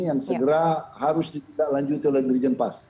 yang segera harus ditindaklanjuti oleh dirjen pas